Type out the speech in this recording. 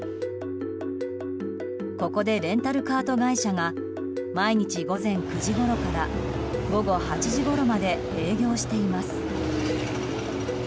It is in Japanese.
ここでレンタルカート会社が毎日、午前９時ごろから午後８時ごろまで営業しています。